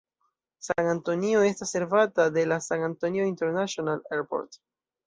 San-Antonio estas servata de la San Antonio International Airport.